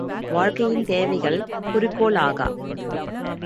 வாழ்க்கையின் தேவைகள் குறிக்கோள் ஆகா.